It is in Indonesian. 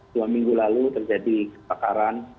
dua minggu lalu terjadi kebakaran